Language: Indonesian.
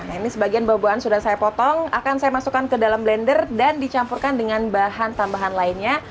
nah ini sebagian buah buahan sudah saya potong akan saya masukkan ke dalam blender dan dicampurkan dengan bahan tambahan lainnya